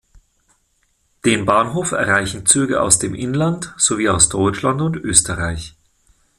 Den Bahnhof erreichen Züge aus dem Inland sowie aus Deutschland und Österreich.